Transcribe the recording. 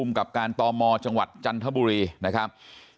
กับการตมจังหวัดจันทบุรีนะครับ